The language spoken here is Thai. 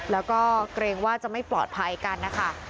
แล้วก็เกรงว่าจะไม่ปลอดภัยกันนะคะ